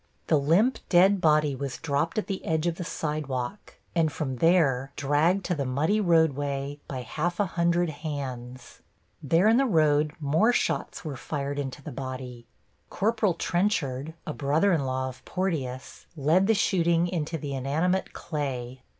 The limp dead body was dropped at the edge of the sidewalk and from there dragged to the muddy roadway by half a hundred hands. There in the road more shots were fired into the body. Corporal Trenchard, a brother in law of Porteus, led the shooting into the inanimate clay.